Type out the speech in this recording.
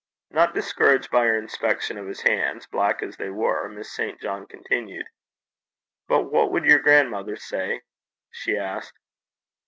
Not discouraged by her inspection of his hands, black as they were, Miss St. John continued, 'But what would your grandmother say?' she asked.